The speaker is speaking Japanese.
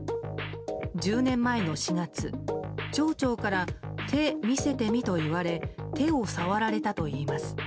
１０年前の４月、町長から手見せてみと言われ手を触られたといいます。